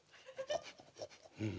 うん。